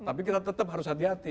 tapi kita tetap harus hati hati